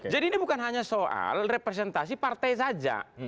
jadi ini bukan hanya soal representasi partai saja